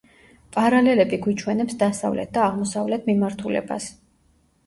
პარალელები გვიჩვენებს დასავლეთ და აღმოსავლეთ მიმართულებას.